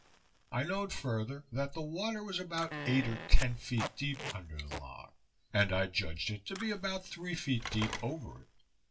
I knowed further, that the water was about eight or ten feet deep under the log, and I judged it to be about three feet deep over it.